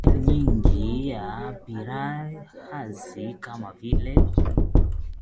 hadithi nyingi juu ya piranhas kama vile